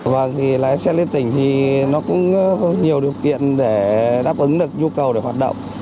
vâng thì lái xe lên tỉnh thì nó cũng nhiều điều kiện để đáp ứng được nhu cầu để hoạt động